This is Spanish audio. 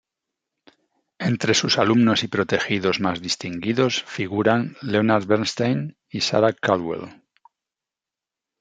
Entre sus alumnos y protegidos más distinguidos figuran Leonard Bernstein y Sarah Caldwell.